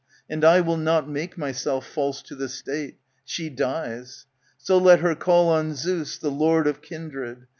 And 1 will not make myself False to the State. She dies. So let her call On Zeus, the lord of kindred.